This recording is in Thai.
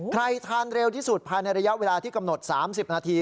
ทานเร็วที่สุดภายในระยะเวลาที่กำหนด๓๐นาที